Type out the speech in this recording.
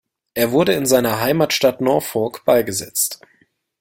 Er wurde in seiner Heimatstadt Norfolk beigesetzt.